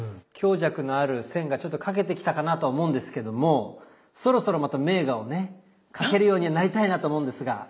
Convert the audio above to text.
強弱のある線がちょっと描けてきたかなと思うんですけどもそろそろまた名画をね描けるようになりたいなと思うんですが。